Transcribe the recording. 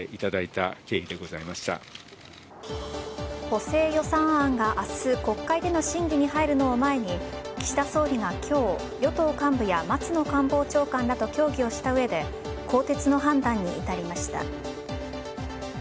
補正予算案が明日国会での審議に入るのを前に岸田総理が今日与党幹部や松野官房長官らと協議をした上で更迭の判断に至りました。